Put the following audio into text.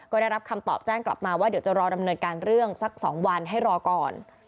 ก็ได้รับคำตอบแจ้งกลับมาว่าเดี๋ยวจะรอดำเนินการเรื่องสัก๒วันให้รอก่อน